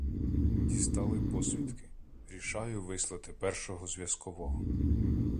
Дістали посвідки — рішаю вислати першого зв’язкового.